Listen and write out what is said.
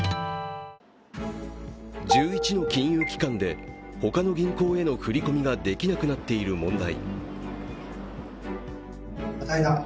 １１の金融機関で他の銀行への振り込みができなくなっている問題。